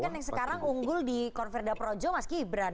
kan yang sekarang unggul di konverda projo mas gibran